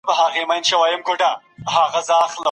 زده کوونکي تمرين کړی و او تعليم ژور سوی و.